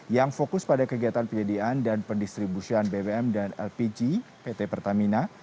yang fokus pada kegiatan penyediaan dan pendistribusian bbm dan lpg pt pertamina